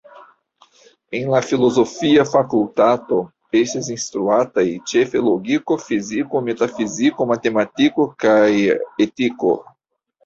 En la filozofia fakultato estis instruataj ĉefe logiko, fiziko, metafiziko, matematiko kaj etiko.